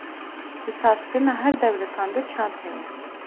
di saz kirina her dewletan de çand heye.